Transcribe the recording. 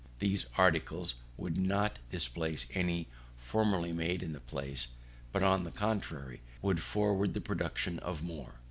These articles would not displace any formerly made in the place, but on the contrary, would forward the production of more.